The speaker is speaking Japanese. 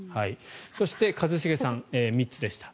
そして、一茂さん、３つでした。